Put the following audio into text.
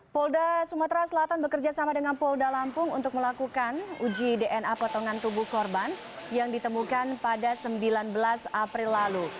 polda sumatera selatan bekerjasama dengan polda lampung untuk melakukan uji dna potongan tubuh korban yang ditemukan pada sembilan belas april lalu